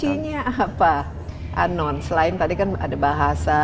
kuncinya apa anon selain tadi kan ada bahasa